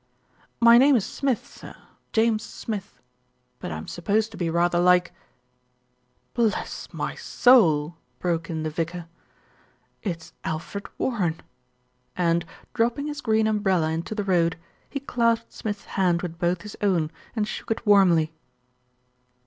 "My name is Smith, sir, James Smith; but I'm sup posed to be rather like " "Bless my soul!" broke in the vicar. "It's Alfred Warren," and, dropping his green umbrella into the road, he clasped Smith's hand with both his own, and shook it warmly.